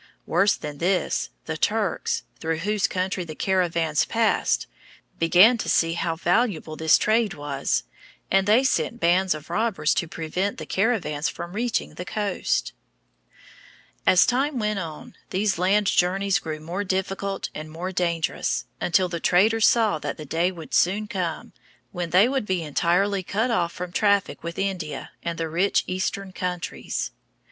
Worse than this, the Turks, through whose country the caravans passed, began to see how valuable this trade was, and they sent bands of robbers to prevent the caravans from reaching the coast. [Illustration: A Caravan.] As time went on, these land journeys grew more difficult and more dangerous, until the traders saw that the day would soon come when they would be entirely cut off from traffic with India and the rich Eastern countries.